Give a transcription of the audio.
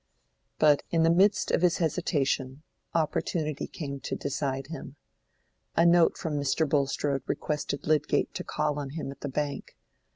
But in the midst of his hesitation, opportunity came to decide him. A note from Mr. Bulstrode requested Lydgate to call on him at the Bank.